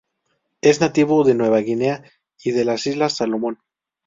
Es nativo de Nueva Guinea y de las Islas Salomón.